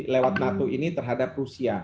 lewat nato ini terhadap rusia